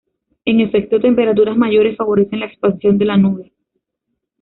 En efecto, temperaturas mayores favorecen la expansión de la nube.